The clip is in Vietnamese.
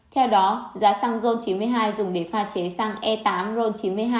theo đó giá xăng ron chín mươi hai dùng để pha chế xăng e tám ron chín mươi hai